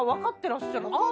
「あ！」